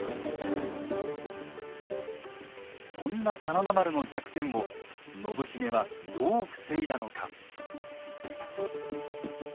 そんな真田丸の弱点を信繁はどう防いだのか。